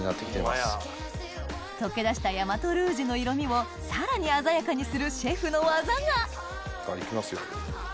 溶け出した大和ルージュの色みをさらに鮮やかにするシェフの技がいきますよ。